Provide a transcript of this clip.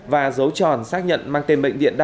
và dấu tròn xác nhận mang tên bệnh viện đa khoa